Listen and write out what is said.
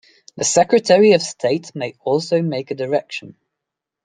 The Secretary of State may also make a direction.